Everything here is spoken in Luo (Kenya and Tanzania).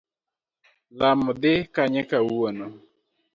lamo dhi kanye kawuono.